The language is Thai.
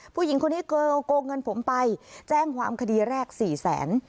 ผู้หญิงคนนี้เกลงเงินผมไปแจ้งความคดีแรก๔๐๐๐๐๐บาท